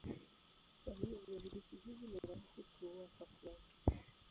Kwa hivyo virusi hivi ni rahisi kuua kwa kiasi.